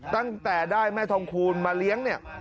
ตั้งแต่ได้แม่ทองคูณมาเลี้ยงเนี่ย